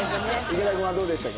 池田君はどうでしたか？